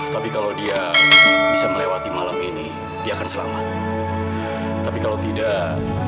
tapi kalau dia bisa melewati malam ini dia akan selamat tapi kalau tidak